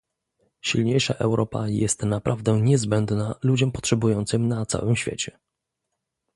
Silniejsza Europa jest naprawdę niezbędna ludziom potrzebującym na całym świecie